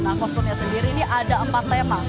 nah kostumnya sendiri ini ada empat tema